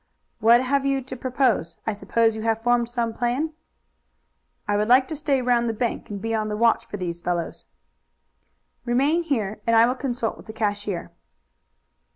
"What have you to propose? I suppose you have formed some plan." "I would like to stay round the bank and be on the watch for these fellows." "Remain here and I will consult with the cashier."